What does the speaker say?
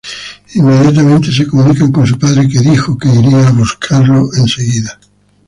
Inmediatamente se comunican con su padre que dejó que iría a buscarlo enseguida.